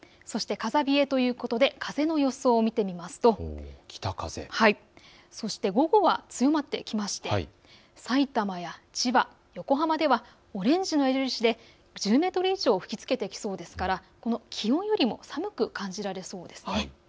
そして風冷えということで風の予想を見てみますと北風、午後は強まってきまして、さいたまや千葉、横浜ではオレンジの矢印で１０メートル以上吹きつけてきそうですからこの気温よりも寒く感じられそうです。